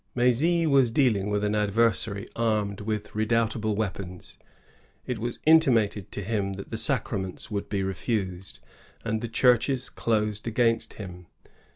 "i M^zy was dealing with an adversary armed with redoubtable weapons. It was intimated to him that the sacraments would be refused, and the churches closed against him.